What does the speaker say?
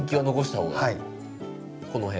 この辺？